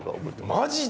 マジで？